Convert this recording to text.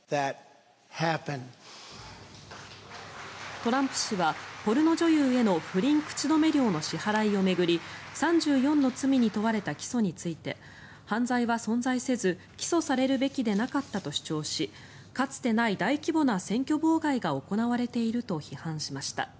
トランプ氏はポルノ女優への不倫口止め料の支払いを巡り３４の罪に問われた起訴について犯罪は存在せず起訴されるべきでなかったと主張しかつてない大規模な選挙妨害が行われていると批判しました。